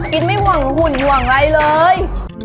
ไม่ห่วงหุ่นห่วงอะไรเลย